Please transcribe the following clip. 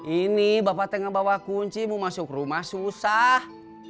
ini bapak tengah bawa kunci mau masuk rumah susah